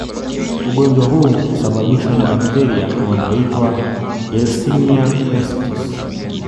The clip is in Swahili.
Ugonjwa huu husababishwa na bakteria wanaoitwa Yersinia pestis